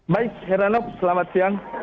baik heranok selamat siang